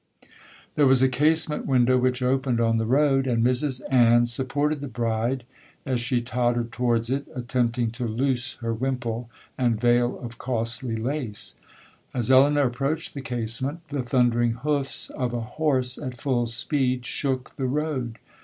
'There was a casement window which opened on the road, and Mrs Ann supported the bride as she tottered towards it, attempting to loose her wimple, and veil of costly lace. As Elinor approached the casement, the thundering hoofs of a horse at full speed shook the road.